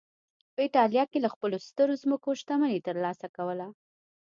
په اېټالیا کې له خپلو سترو ځمکو شتمني ترلاسه کوله